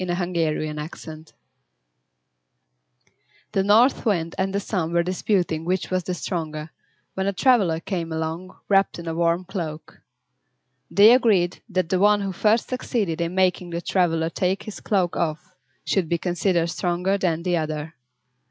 Orthographic version The North Wind and the Sun were disputing which was the stronger, when a traveler came along wrapped in a warm cloak. They agreed that the one who first succeeded in making the traveler take his cloak off should be considered stronger than the other.